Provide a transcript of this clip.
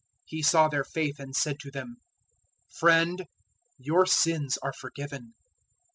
005:020 He saw their faith and said to him, "Friend, your sins are forgiven."